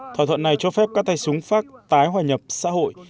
thỏa thuận này cho phép các tay súng khác tái hòa nhập xã hội